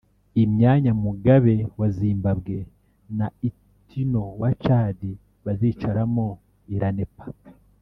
Imyanya Mugabe wa Zimbabwe na Itno wa Tchad bazicaramo iranepa